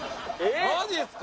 マジっすか？